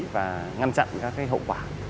và ngăn chặn các hậu quả